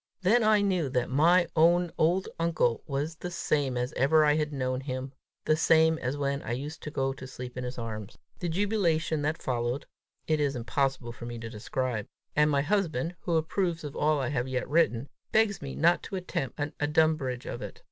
Then I knew that my own old uncle was the same as ever I had known him, the same as when I used to go to sleep in his arms. The jubilation that followed, it is impossible for me to describe; and my husband, who approves of all I have yet written, begs me not to attempt an adumbration of it.